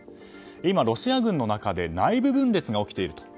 今、ロシア軍の中で内部分裂が起きていると。